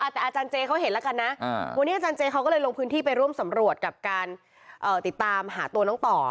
แต่อาจารย์เจเขาเห็นแล้วกันนะวันนี้อาจารย์เจเขาก็เลยลงพื้นที่ไปร่วมสำรวจกับการติดตามหาตัวน้องต่อ